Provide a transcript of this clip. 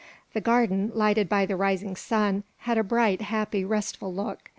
The garden, lighted by the rising sun, had a bright, happy, restful look.